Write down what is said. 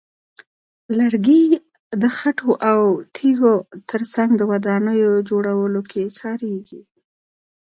لرګي د خټو او تیږو ترڅنګ د ودانیو جوړولو کې کارېږي.